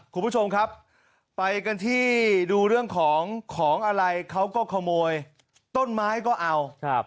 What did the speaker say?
คุณผู้ชมครับไปกันที่ดูเรื่องของของอะไรเขาก็ขโมยต้นไม้ก็เอา